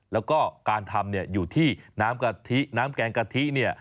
แล้วก็การทำอยู่ที่น้ำแกงกะทิ